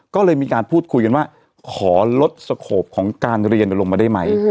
ก็เลยมีการพูดคุยกันว่าขอลดสโขปของการเรียนลงมาได้ไหม